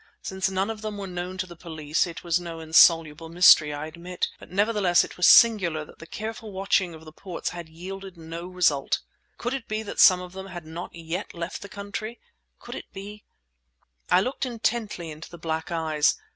Since none of them were known to the police, it was no insoluble mystery, I admit; but nevertheless it was singular that the careful watching of the ports had yielded no result. Could it be that some of them had not yet left the country? Could it be— I looked intently into the black eyes.